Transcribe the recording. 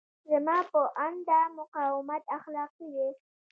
زما په اند دا مقاومت اخلاقي دی.